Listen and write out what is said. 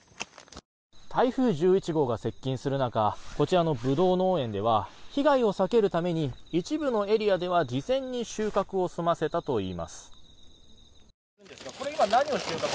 台風１１号が接近する中こちらのブドウ農園では被害を避けるために一部のエリアでは事前に収穫を済ませたといいます。